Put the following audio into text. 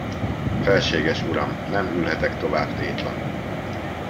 Felséges uram, nem ülhetek tovább tétlen!